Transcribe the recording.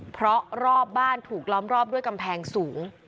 เพราะรอบบ้านถูกล้อมรอบด้วยกำแพงสูง